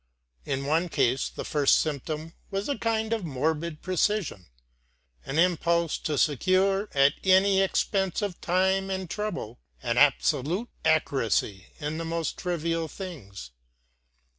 In one case the first symptom was a kind of morbid precision, an impulse to secure, at any expense of time and trouble, an absolute accuracy in the most trivial things.